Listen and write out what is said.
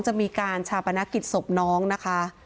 จะมีการชาปนกิจศพน้องนะคะ